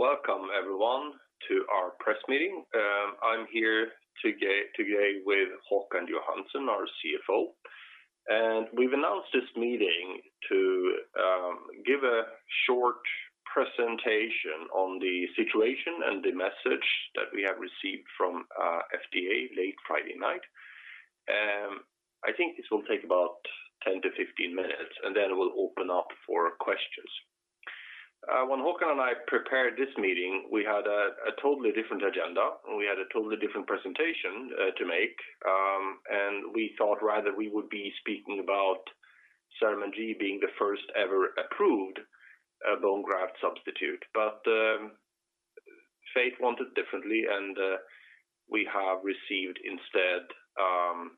Welcome everyone to our press meeting. I'm here today with Håkan Johansson, our CFO. We've announced this meeting to give a short presentation on the situation and the message that we have received from FDA late Friday night. I think this will take about 10-15 minutes, and then we'll open up for questions. When Håkan and I prepared this meeting, we had a totally different agenda, and we had a totally different presentation to make. We thought rather we would be speaking about CERAMENT G being the first ever approved bone graft substitute. Fate wanted differently, and we have received instead a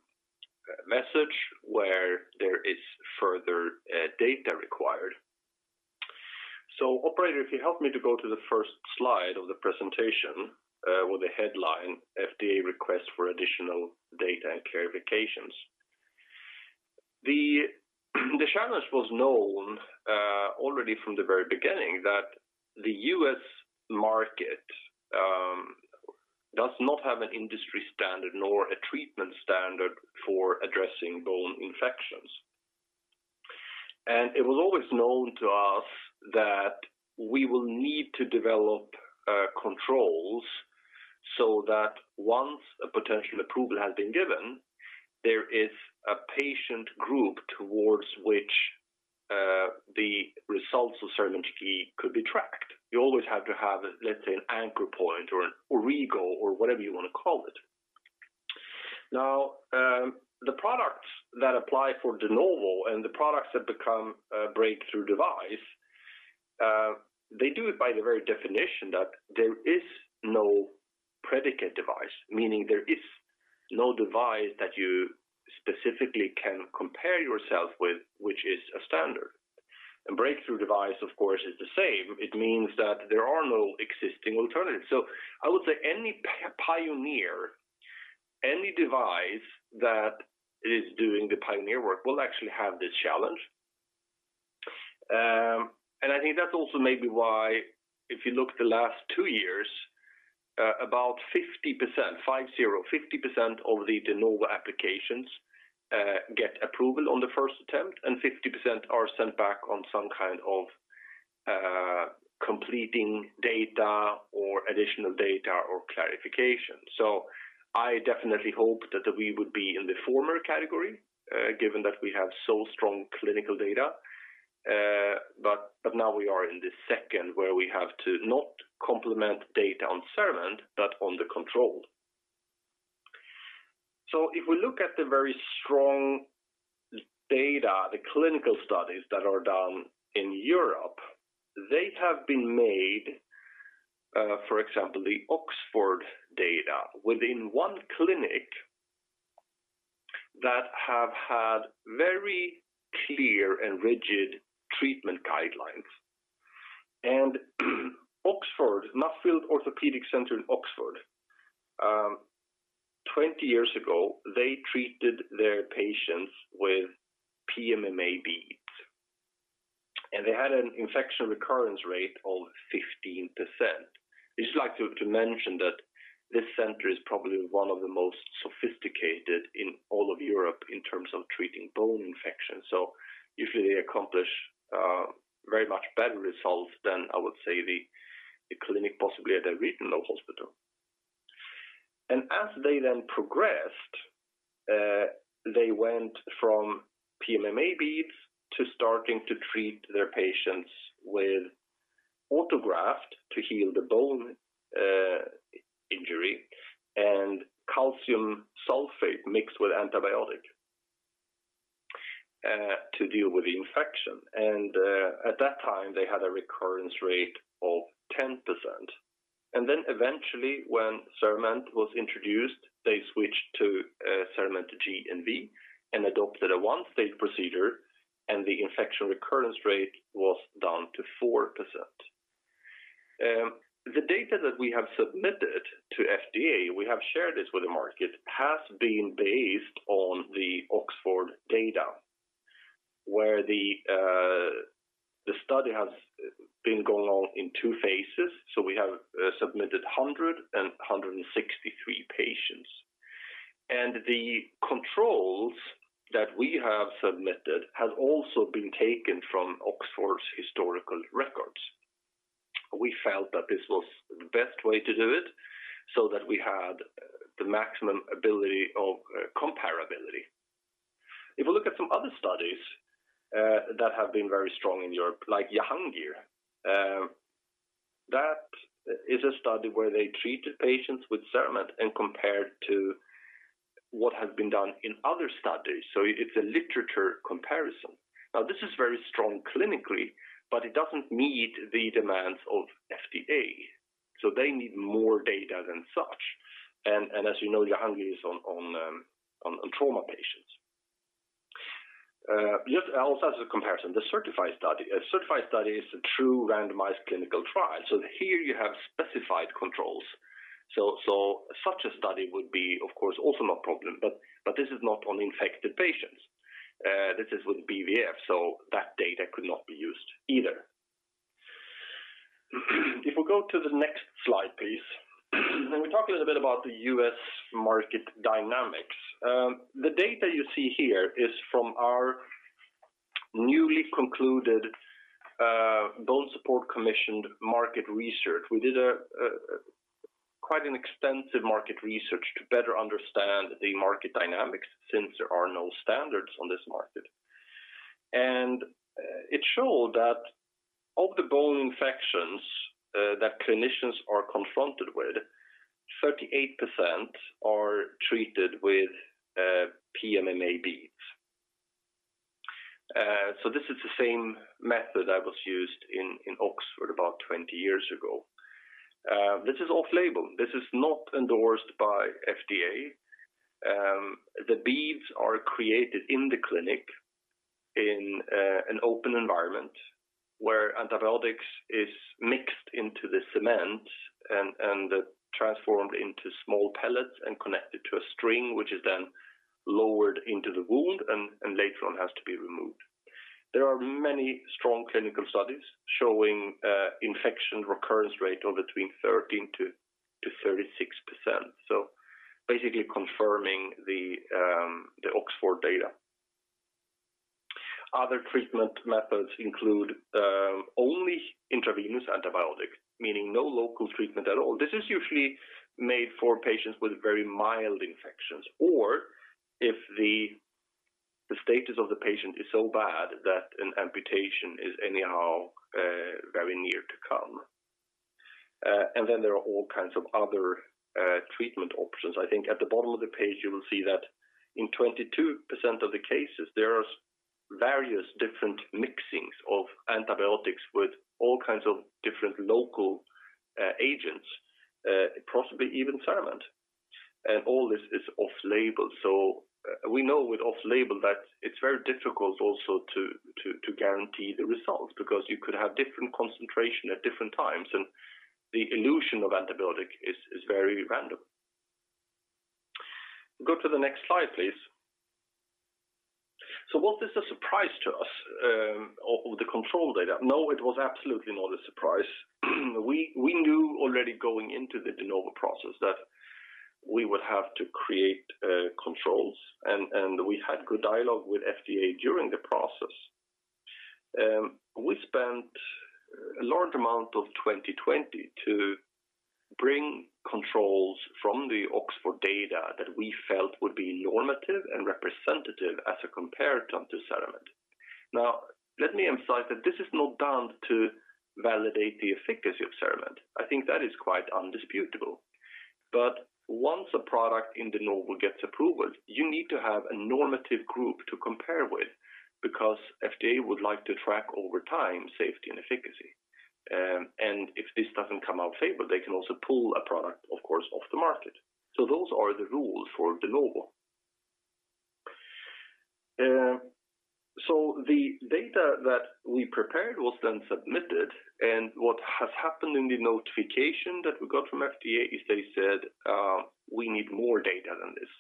message where there is further data required. Operator, if you help me to go to the first slide of the presentation with the headline FDA Request for Additional Data and Clarifications. The challenge was known already from the very beginning that the U.S. market does not have an industry standard nor a treatment standard for addressing bone infections. It was always known to us that we will need to develop controls so that once a potential approval has been given, there is a patient group towards which the results of CERAMENT G could be tracked. You always have to have, let's say, an anchor point or an origo or whatever you want to call it. Now, the products that apply for De Novo and the products that become a Breakthrough Device, they do it by the very definition that there is no predicate device, meaning there is no device that you specifically can compare yourself with, which is a standard. A Breakthrough Device, of course, is the same. It means that there are no existing alternatives. I would say any pioneer, any device that is doing the pioneer work will actually have this challenge. I think that's also maybe why if you look at the last two years, about 50% of the De Novo applications get approval on the first attempt, and 50% are sent back on some kind of completing data or additional data or clarification. Now we are in the second, where we have to not complement data on CERAMENT, but on the control. If we look at the very strong data, the clinical studies that are done in Europe, they have been made, for example, the Oxford data within one clinic that have had very clear and rigid treatment guidelines. Oxford, Nuffield Orthopaedic Centre in Oxford, 20 years ago, they treated their patients with PMMA beads, and they had an infection recurrence rate of 15%. I'd just like to mention that this center is probably one of the most sophisticated in all of Europe in terms of treating bone infections. Usually they accomplish very much better results than, I would say, the clinic possibly at a regional hospital. As they then progressed, they went from PMMA beads to starting to treat their patients with autograft to heal the bone injury and calcium sulfate mixed with antibiotic to deal with the infection. At that time, they had a recurrence rate of 10%. Eventually, when CERAMENT was introduced, they switched to CERAMENT G and V and adopted a one-stage procedure, and the infection recurrence rate was down to 4%. The data that we have submitted to FDA, we have shared this with the market, has been based on the Oxford data, where the study has been going on in two phases. We have submitted 100 and 163 patients. The controls that we have submitted has also been taken from Oxford's historical records. We felt that this was the best way to do it so that we had the maximum ability of comparability. If we look at some other studies that have been very strong in Europe, like Djahangiri. That is a study where they treat patients with CERAMENT and compare to what has been done in other studies. It's a literature comparison. This is very strong clinically, but it doesn't meet the demands of FDA. They need more data than such. As you know, Djahangiri is on trauma patients. I also have a comparison. The CERTiFy study. A CERTiFy study is a true randomized clinical trial. Here you have specified controls. Such a study would be, of course, also not a problem, but this is not on infected patients. This is with BVF, that data could not be used either. If we go to the next slide, please. We talk a little bit about the U.S. market dynamics. The data you see here is from our newly concluded BONESUPPORT commissioned market research. We did quite an extensive market research to better understand the market dynamics, since there are no standards on this market. It showed that of the bone infections that clinicians are confronted with, 38% are treated with PMMA beads. This is the same method that was used in Oxford about 20 years ago. This is off-label. This is not endorsed by FDA. The beads are created in the clinic in an open environment where antibiotics is mixed into the cement and transformed into small pellets and connected to a string, which is then lowered into the wound and later on has to be removed. There are many strong clinical studies showing infection recurrence rate of between 13%-36%. Basically confirming the Oxford data. Other treatment methods include only intravenous antibiotics, meaning no local treatment at all. This is usually made for patients with very mild infections or if the status of the patient is so bad that an amputation is anyhow very near to come. Then there are all kinds of other treatment options. I think at the bottom of the page you will see that in 22% of the cases there are various different mixings of antibiotics with all kinds of different local agents, possibly even CERAMENT. All this is off-label. We know with off-label that it's very difficult also to guarantee the results because you could have different concentration at different times and the elution of antibiotic is very random. Go to the next slide, please. Was this a surprise to us of the control data? No, it was absolutely not a surprise. We knew already going into the De Novo process that we would have to create controls and we had good dialogue with FDA during the process. We spent a large amount of 2020 to bring controls from the Oxford data that we felt would be normative and representative as a comparator to CERAMENT. Now, let me emphasize that this is not done to validate the efficacy of CERAMENT. I think that is quite undisputable. Once a product in De Novo gets approval, you need to have a normative group to compare with because FDA would like to track over time, safety and efficacy. If this doesn't come out favorable, they can also pull a product, of course, off the market. Those are the rules for De Novo. The data that we prepared was then submitted and what has happened in the notification that we got from FDA is they said, we need more data than this.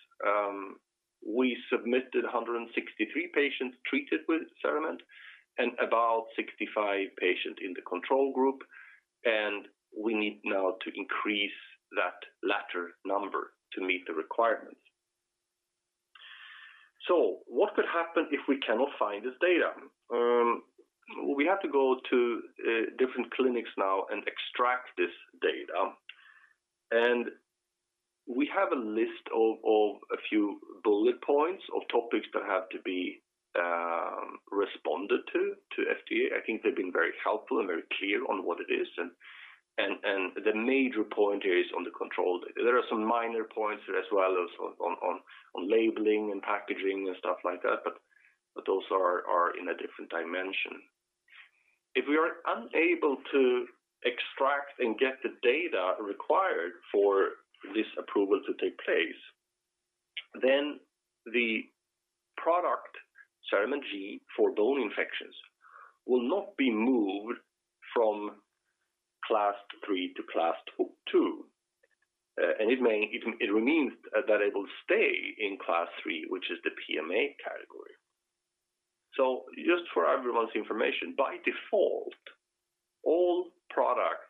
We submitted 163 patients treated with CERAMENT and about 65 patients in the control group, and we need now to increase that latter number to meet the requirements. What could happen if we cannot find this data? We have to go to different clinics now and extract this data. We have a list of a few bullet points of topics that have to be responded to FDA. I think they've been very helpful and very clear on what it is and the major point here is on the control data. There are some minor points as well on labeling and packaging and stuff like that, but those are in a different dimension. If we are unable to extract and get the data required for this approval to take place, then the product, CERAMENT G for bone infections, will not be moved from Class III to Class II. It means that it will stay in Class III, which is the PMA category. Just for everyone's information, by default, all products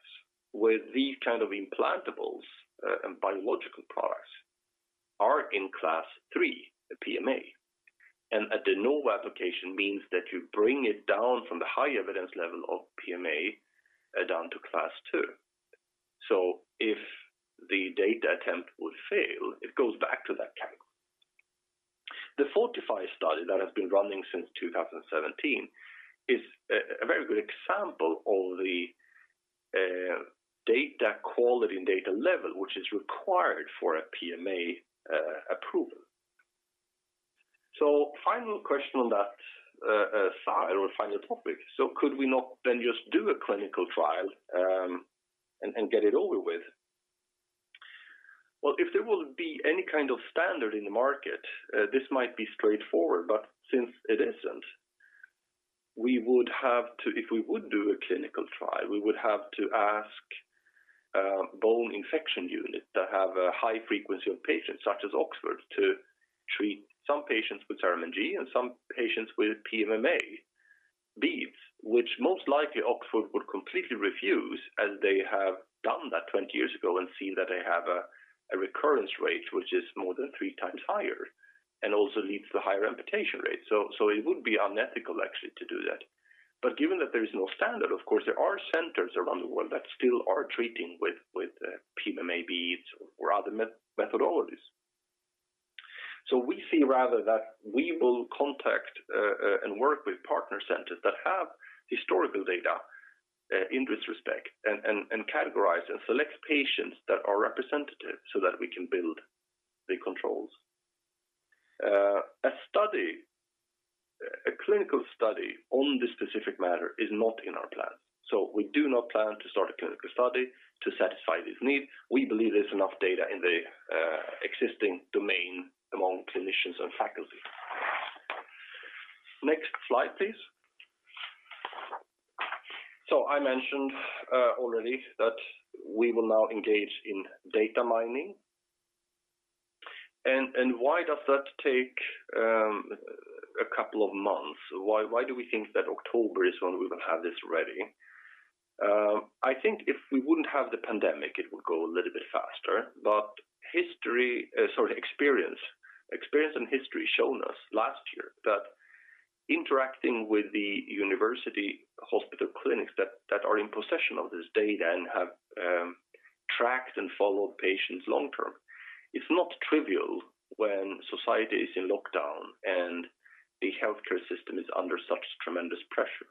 with these kind of implantables and biological products are in Class III, the PMA. A De Novo application means that you bring it down from the high evidence level of PMA down to Class 2. If the data attempt would fail, it goes back to that category. The FORTIFY study that has been running since 2017 is a very good example of the data quality and data level which is required for a PMA approval. Final question on that slide or final topic. Could we not then just do a clinical trial and get it over with? If there would be any kind of standard in the market, this might be straightforward, but since it isn't. If we would do a clinical trial, we would have to ask bone infection unit that have a high frequency of patients, such as Oxford, to treat some patients with CERAMENT G and some patients with PMMA beads, which most likely Oxford would completely refuse, as they have done that 20 years ago and seen that they have a recurrence rate which is more than three times higher, and also leads to higher amputation rate. It would be unethical actually to do that. Given that there is no standard, of course, there are centers around the world that still are treating with PMMA beads or other methodologies. We see rather that we will contact and work with partner centers that have historical data in this respect and categorize and select patients that are representative so that we can build the controls. A clinical study on this specific matter is not in our plan. We do not plan to start a clinical study to satisfy this need. We believe there's enough data in the existing domain among clinicians and faculty. Next slide, please. I mentioned already that we will now engage in data mining. Why does that take a couple of months? Why do we think that October is when we will have this ready? I think if we wouldn't have the pandemic, it would go a little bit faster. Experience and history shown us last year that interacting with the university hospital clinics that are in possession of this data and have tracked and followed patients long-term, it's not trivial when society is in lockdown and the healthcare system is under such tremendous pressure.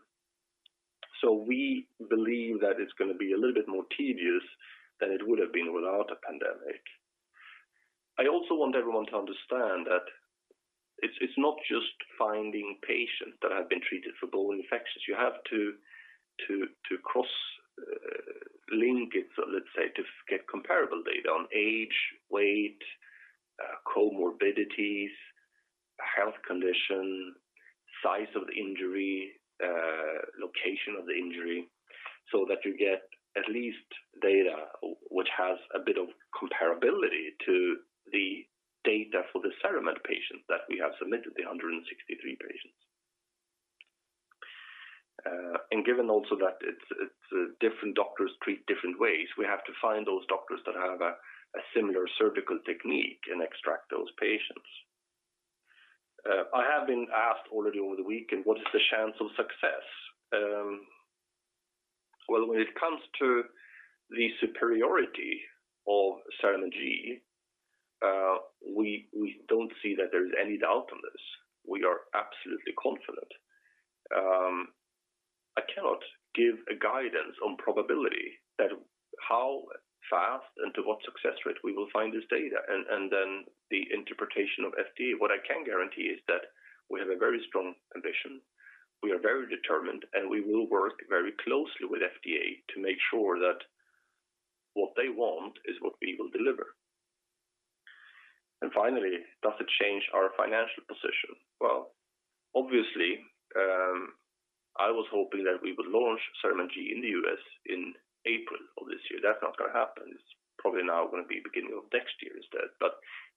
We believe that it's going to be a little bit more tedious than it would've been without a pandemic. I also want everyone to understand that it's not just finding patients that have been treated for bone infections. You have to cross-link it, so let's say to get comparable data on age, weight, comorbidities, health condition, size of the injury, location of the injury, so that you get at least data which has a bit of comparability to the data for the CERAMENT patients that we have submitted, the 163 patients. Given also that different doctors treat different ways, we have to find those doctors that have a similar surgical technique and extract those patients. I have been asked already over the week, what is the chance of success? Well, when it comes to the superiority of CERAMENT G, we don't see that there's any doubt on this. We are absolutely confident. I cannot give a guidance on probability that how fast and to what success rate we will find this data, and then the interpretation of FDA. What I can guarantee is that we have a very strong ambition. We are very determined, and we will work very closely with FDA to make sure that what they want is what we will deliver. Finally, does it change our financial position? Obviously, I was hoping that we would launch CERAMENT G in the U.S. in April of this year. That's not going to happen. It's probably now going to be beginning of next year instead,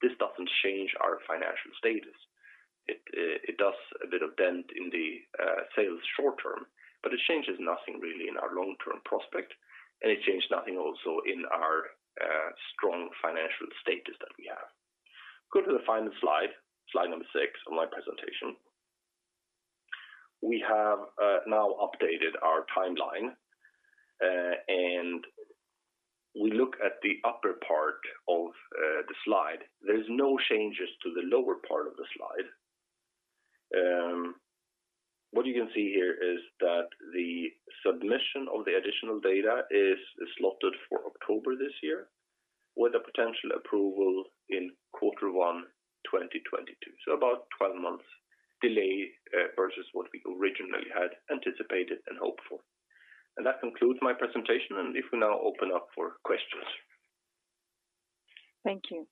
this doesn't change our financial status. It does a bit of dent in the sales short-term, it changes nothing really in our long-term prospect, it change nothing also in our strong financial status that we have. Go to the final slide number six of my presentation. We have now updated our timeline, we look at the upper part of the slide. There's no changes to the lower part of the slide. What you can see here is that the submission of the additional data is slotted for October this year, with a potential approval in quarter one 2022. About 12 months delay versus what we originally had anticipated and hoped for. That concludes my presentation, and if we now open up for questions. Thank you.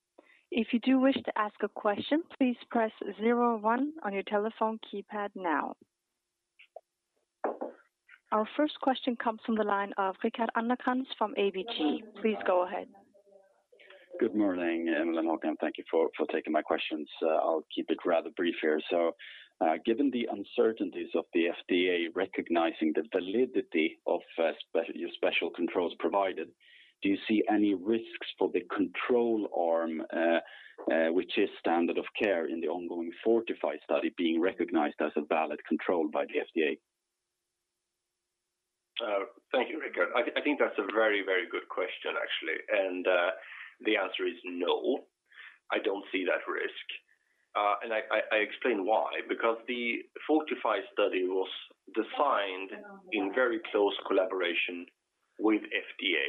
If you do wish to ask a question, please press zero one on your telephone keypad now. Our first question comes from the line of Rickard Anderkrans from ABG. Please go ahead. Good morning, Emil, Håkan. Thank you for taking my questions. I'll keep it rather brief here. Given the uncertainties of the FDA recognizing the validity of your special controls provided, do you see any risks for the control arm, which is standard of care in the ongoing FORTIFY study being recognized as a valid control by the FDA? Thank you, Rickard. I think that's a very good question, actually. The answer is no, I don't see that risk. I explain why, because the FORTIFY study was designed in very close collaboration with FDA,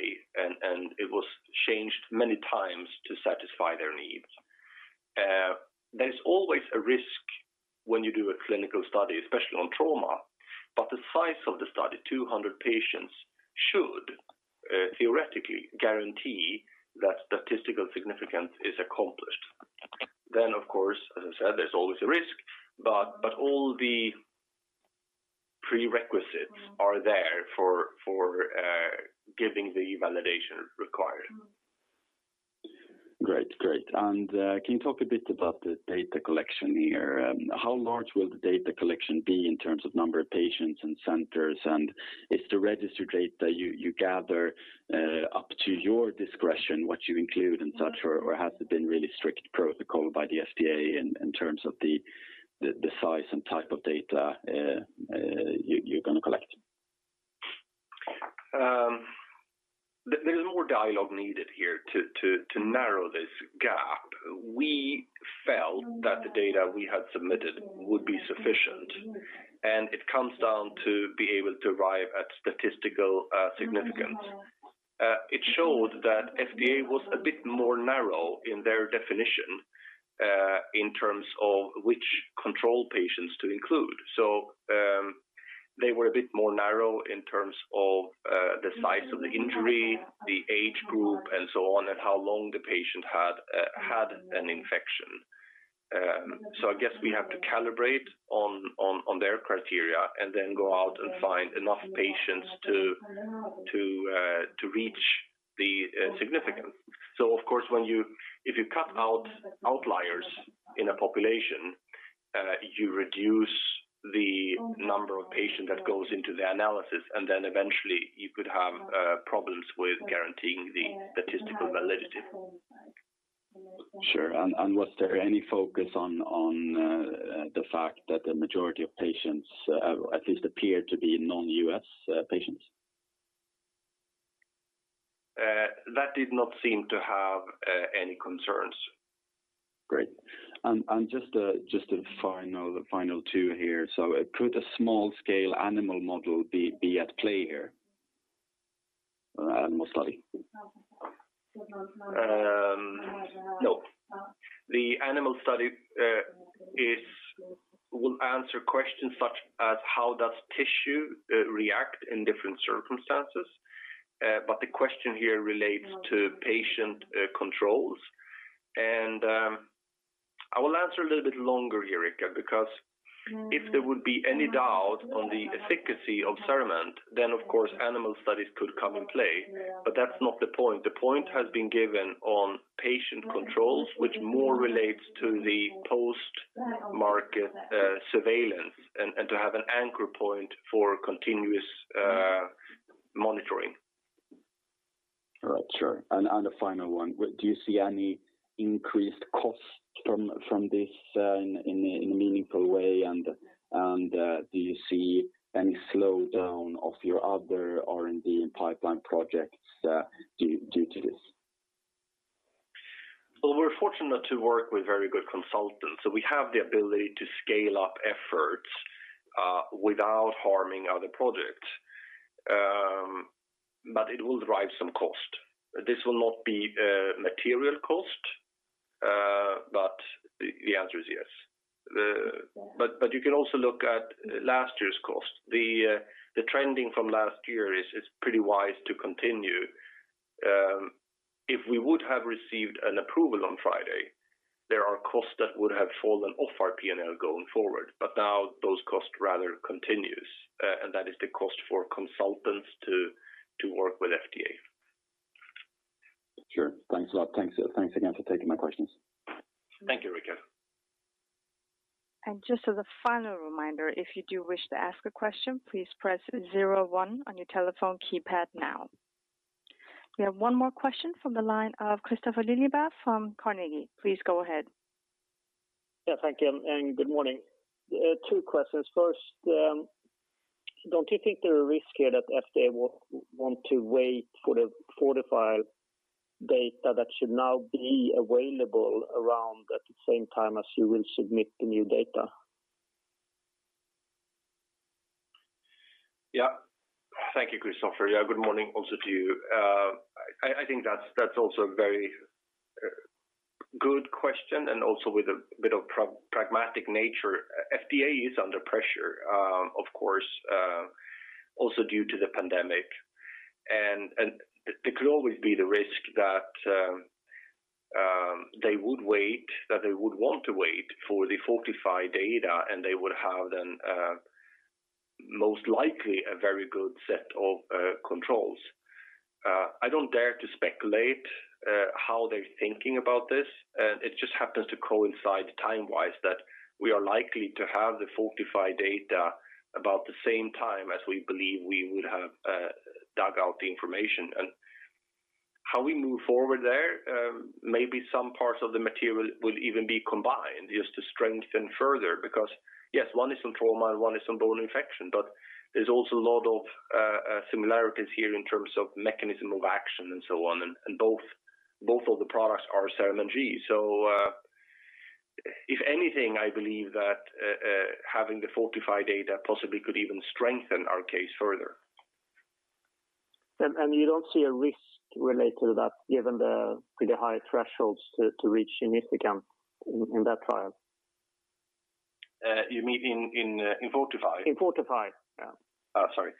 and it was changed many times to satisfy their needs. There's always a risk when you do a clinical study, especially on trauma, but the size of the study, 200 patients, should theoretically guarantee that statistical significance is accomplished. Of course, as I said, there's always a risk, but all the prerequisites are there for giving the validation required. Great. Can you talk a bit about the data collection here? How large will the data collection be in terms of number of patients and centers, and is the registered data you gather up to your discretion, what you include and such, or has it been really strict protocol by the FDA in terms of the size and type of data you're going to collect? There's more dialogue needed here to narrow this gap. We felt that the data we had submitted would be sufficient. It comes down to be able to arrive at statistical significance. It showed that FDA was a bit more narrow in their definition in terms of which control patients to include. They were a bit more narrow in terms of the size of the injury, the age group, and so on, and how long the patient had an infection. I guess we have to calibrate on their criteria. Then go out and find enough patients to reach the significance. Of course, if you cut out outliers in a population, you reduce the number of patients that goes into the analysis. Then eventually you could have problems with guaranteeing the statistical validity. Sure. Was there any focus on the fact that the majority of patients at least appear to be non-U.S. patients? That did not seem to have any concerns. Great. Just a final two here. Could a small-scale animal model be at play here? Animal study. No. The animal study will answer questions such as how does tissue react in different circumstances? The question here relates to patient controls, and I will answer a little bit longer here, Rickard, because if there would be any doubt on the efficacy of CERAMENT, then of course animal studies could come in play, but that's not the point. The point has been given on patient controls, which more relates to the post-market surveillance and to have an anchor point for continuous monitoring. Right. Sure. The final one, do you see any increased cost from this in a meaningful way, and do you see any slowdown of your other R&D and pipeline projects due to this? Well, we're fortunate to work with very good consultants, so we have the ability to scale up efforts without harming other projects. It will drive some cost. This will not be a material cost, but the answer is yes. You can also look at last year's cost. The trending from last year is pretty wise to continue. If we would have received an approval on Friday, there are costs that would have fallen off our P&L going forward, but now those costs rather continues, and that is the cost for consultants to work with FDA. Sure. Thanks a lot. Thanks again for taking my questions. Thank you, Rickard. Just as a final reminder, if you do wish to ask a question, please press zero one on your telephone keypad now. We have one more question from the line of Kristoffer Lilleberg from Carnegie. Please go ahead. Yeah. Thank you, and good morning. Two questions. First, don't you think there's a risk here that FDA will want to wait for the FORTIFY data that should now be available around at the same time as you will submit the new data? Thank you, Kristoffer. Good morning also to you. I think that's also a very good question, and also with a bit of pragmatic nature. FDA is under pressure of course, also due to the pandemic, and there could always be the risk that they would want to wait for the FORTIFY data, and they would have then most likely a very good set of controls. I don't dare to speculate how they're thinking about this. It just happens to coincide time-wise that we are likely to have the FORTIFY data about the same time as we believe we would have dug out the information. How we move forward there, maybe some parts of the material will even be combined just to strengthen further because, yes, one is on trauma and one is on bone infection, but there is also a lot of similarities here in terms of mechanism of action and so on. Both of the products are CERAMENT G. If anything, I believe that having the FORTIFY data possibly could even strengthen our case further. You don't see a risk related to that given the high thresholds to reach significance in that trial? You mean in FORTIFY? In FORTIFY, yeah. Sorry.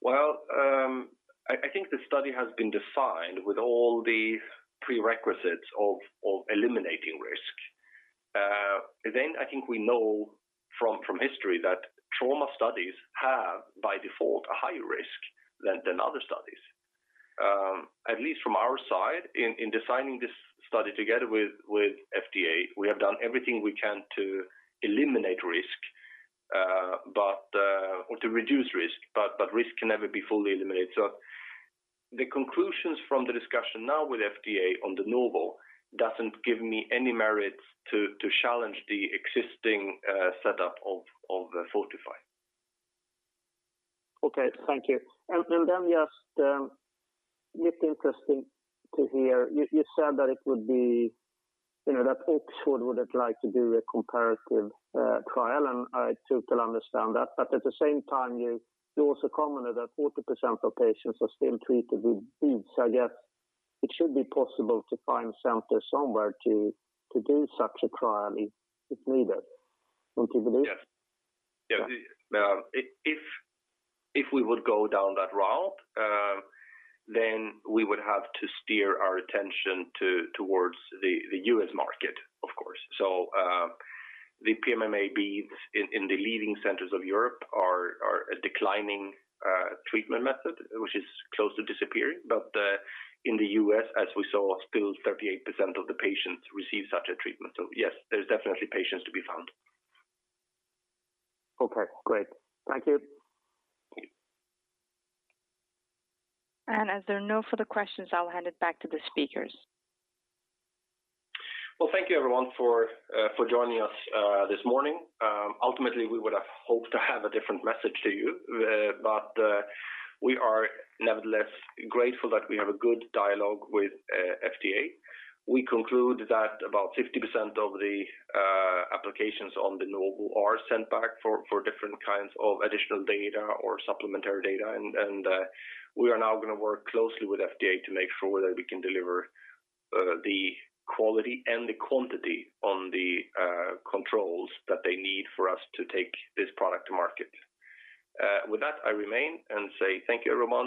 Well, I think the study has been designed with all the prerequisites of eliminating risk. I think we know from history that trauma studies have, by default, a higher risk than other studies. At least from our side in designing this study together with FDA, we have done everything we can to eliminate risk or to reduce risk, but risk can never be fully eliminated. The conclusions from the discussion now with FDA on De Novo doesn't give me any merits to challenge the existing setup of FORTIFY. Okay. Thank you. It's interesting to hear, you said that Oxford would have liked to do a comparative trial, and I totally understand that, but at the same time, you also commented that 40% of patients are still treated with beads. I guess it should be possible to find centers somewhere to do such a trial if needed. Don't you believe? Yes. If we would go down that route, then we would have to steer our attention towards the U.S. market, of course. The PMMA beads in the leading centers of Europe are a declining treatment method, which is close to disappearing. In the U.S., as we saw, still 38% of the patients receive such a treatment. Yes, there's definitely patients to be found. Okay, great. Thank you. As there are no further questions, I'll hand it back to the speakers. Well, thank you everyone for joining us this morning. Ultimately, we would have hoped to have a different message to you, but we are nevertheless grateful that we have a good dialogue with FDA. We conclude that about 50% of the applications on De Novo are sent back for different kinds of additional data or supplementary data. We are now going to work closely with FDA to make sure that we can deliver the quality and the quantity on the controls that they need for us to take this product to market. With that, I remain and say thank you, everyone